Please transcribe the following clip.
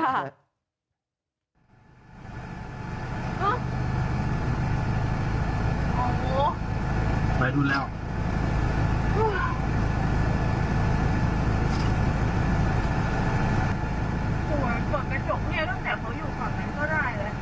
เนี่ยตั้งแต่เขาอยู่ฝั่งนั้นก็ได้เลย